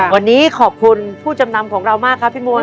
วันนี้ขอบคุณผู้จำนำของเรามากครับพี่มวล